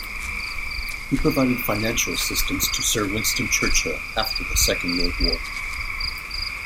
He provided financial assistance to Sir Winston Churchill after the Second World War.